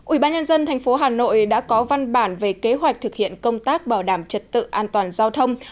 ủy ban nhân dân tp hà nội đã có văn bản về kế hoạch thực hiện công tác bảo đảm trật tự an toàn giao thông